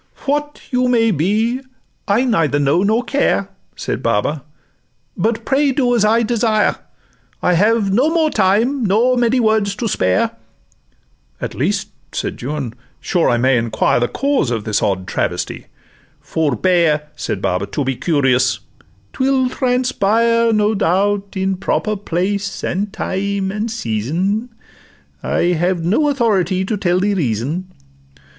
'What you may be, I neither know nor care,' Said Baba; 'but pray do as I desire: I have no more time nor many words to spare.' 'At least,' said Juan, 'sure I may enquire The cause of this odd travesty?'—'Forbear,' Said Baba, 'to be curious; 'twill transpire, No doubt, in proper place, and time, and season: I have no authority to tell the reason.